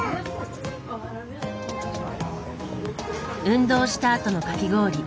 運動したあとのかき氷。